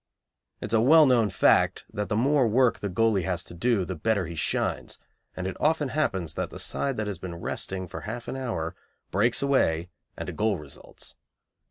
It is a well known fact that the more work the goalie has to do the better he shines, and it often happens that the side that has been resting for half an hour breaks away and a goal results.